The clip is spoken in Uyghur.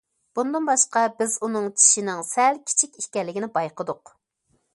بۇندىن باشقا، بىز ئۇنىڭ چىشىنىڭ سەل كىچىك ئىكەنلىكىنى بايقىدۇق.